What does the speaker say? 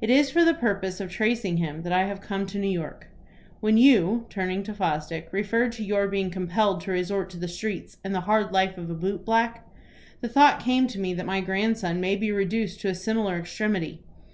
It is for the purpose of tracing him that I have come to New York. When you," turning to Fosdick, "referred to your being compelled to resort to the streets, and the hard life of a boot black, the thought came to me that my grandson may be reduced to a similar extremity.